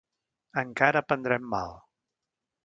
Encara prendrem mal!